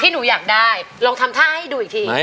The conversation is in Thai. หนูอยากได้ลองทำท่าให้ดูอีกที